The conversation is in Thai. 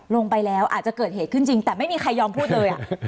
ลงไปแล้วอาจจะเกิดเหตุขึ้นจริงแต่ไม่มีใครยอมพูดเลย